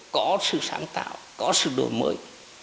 có sự sáng tạo có sự đổi mới